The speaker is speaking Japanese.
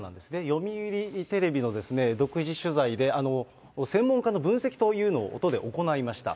読売テレビの独自取材で、専門家の分析というのを音で行いました。